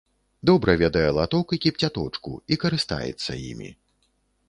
Добра ведае латок і кіпцяточку і карыстаецца імі.